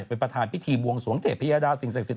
เป็นประธานพิธีบวงสวงเทพยดาสิ่งแสงสิทธิ์